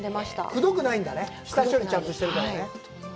くどくないんだね、下処理をちゃんとしてるからね。